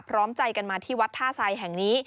พร้อมใจกันมาที่วัดท่าทรายแห่งนี้